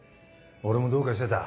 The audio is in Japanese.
俺もどうかしてた。